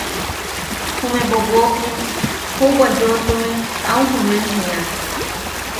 Jume bobokim juʼubwa yoʼotume au junen jíak: